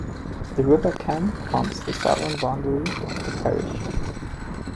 The River Cam forms the southern boundary of the parish.